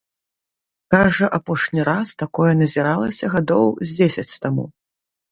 Кажа, апошні раз такое назіралася гадоў з дзесяць таму.